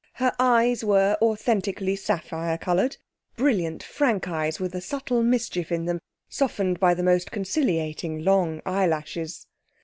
Her eyes were authentically sapphire coloured; brilliant, frank eyes, with a subtle mischief in them, softened by the most conciliating long eyelashes.